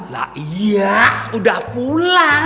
lah iya udah pulang